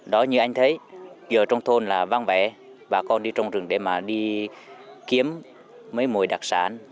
đó như anh thấy giờ trong thôn là vang bẻ bà con đi trong rừng để mà đi kiếm mấy mùi đặc sản